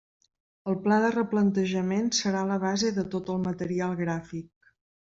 El pla de replantejament serà la base de tot el material gràfic.